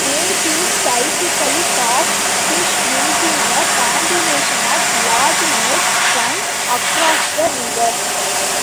Natives typically caught fish using a combination of large nets strung across the river.